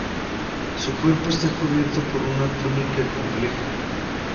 Su cuerpo está cubierto por una túnica compleja.